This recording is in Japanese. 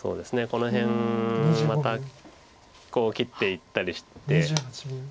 この辺またこう切っていったりして。